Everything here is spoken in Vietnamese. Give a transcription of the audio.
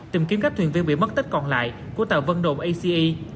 tìm kiếm các thuyền viên bị mất tích còn lại của tàu vân đồn ace